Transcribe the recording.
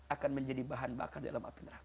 akan menjadi bahan bakar dalam api neraka